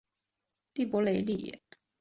蒂珀雷里。